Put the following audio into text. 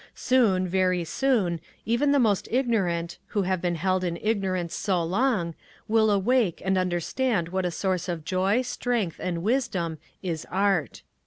"Soon, very soon, even the most ignorant, who have been held in ignorance so long, will awake and understand what a source of joy, strength and wisdom is art…."